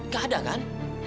gak ada kan